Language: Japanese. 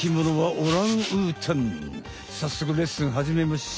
さっそくレッスンはじめましょ！